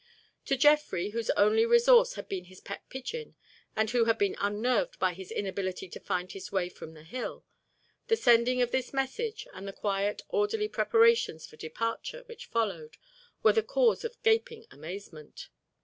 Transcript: To Jeffrey, whose only resource had been his pet pigeon and who had been unnerved by his inability to find his way from the hill, the sending of this message and the quiet orderly preparations for departure which followed were the cause of gaping amazement.